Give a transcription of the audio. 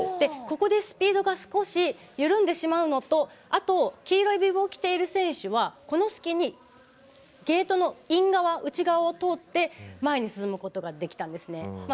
ここでスピードが少し緩んでしまうのとあと、黄色いビブを着ている選手はこの隙にゲートのイン側、内側を通って前に進むことができたんですね。